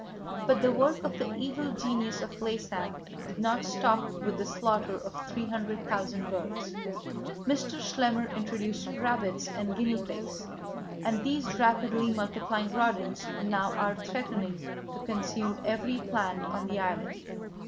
But the work of the Evil Genius of Laysan did not stop with the slaughter of three hundred thousand birds. Mr. Schlemmer introduced rabbits and guinea pigs; and these rapidly multiplying rodents now are threatening to consume every plant on the island.